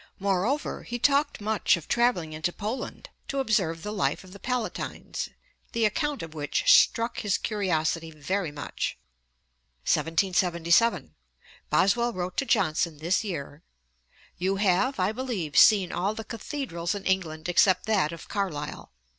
Moreover 'he talked much of travelling into Poland to observe the life of the Palatines, the account of which struck his curiosity very much.' Johnsoniana, ed. 1836, p. 157. 1777. Boswell wrote to Johnson this year (ante, iii. 107): 'You have, I believe, seen all the cathedrals in England except that of Carlisle.'